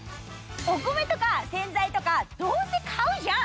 お米とか洗剤とかどうせ買うじゃん！